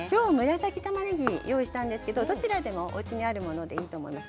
紫たまねぎを用意したんですが、どちらでもおうちにあるものでいいと思います。